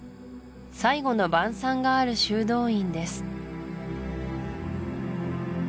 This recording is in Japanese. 「最後の晩餐」がある修道院です